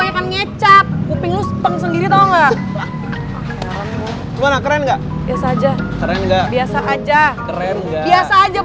kecam kurang kedengeran biasa aja